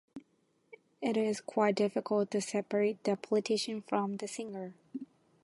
It is quite difficult to separate the politician from the singer.